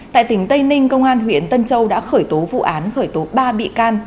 tại tỉnh tây ninh công an huyện tân châu đã khởi tố vụ án khởi tố ba bị can